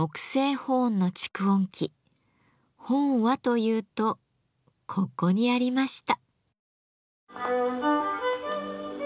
ホーンはというとここにありました。